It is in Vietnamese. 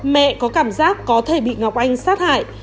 mẹ có cảm giác có thể bị ngọc anh sát hại